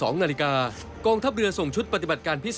๒นาฬิกากองทัพเรือส่งชุดปฏิบัติการพิเศษ